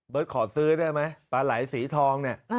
เบิร์ดขอซื้อด้วยไหมปาไหลสีทองเนี่ย